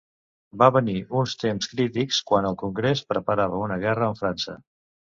Va venir uns temps crítics quan el congrés preparava una guerra amb França.